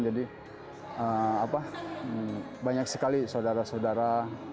jadi apa banyak sekali saudara saudara